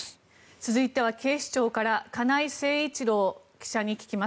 続いては警視庁から金井誠一郎記者に聞きます。